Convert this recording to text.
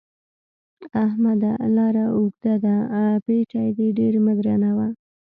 احمده! لاره اوږده ده؛ پېټی دې ډېر مه درنوه.